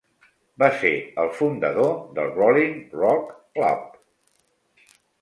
Va ser el fundador del Rolling Rock Club.